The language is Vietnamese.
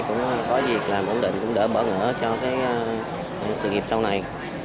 cũng có việc làm ổn định cũng đỡ bỡ ngỡ cho cái sự nghiệp sau này